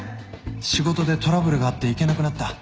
仕事でトラブルがあって行けなくなった」